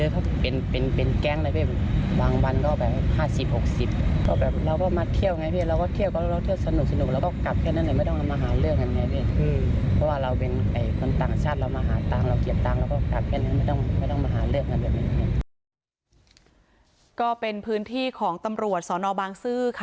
ก็เป็นพื้นที่ของตำรวจสนบางซื่อค่ะ